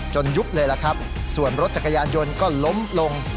ยุบเลยล่ะครับส่วนรถจักรยานยนต์ก็ล้มลง